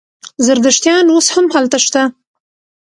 زردشتیان اوس هم هلته شته.